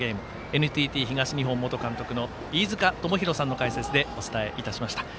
ＮＴＴ東日本元監督の飯塚智広さんの解説でお届けしました。